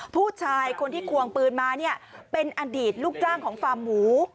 ผู้ชายคนที่ควงปืนมาเนี่ยเป็นอดีตลูกจ้างของฟาร์มหมู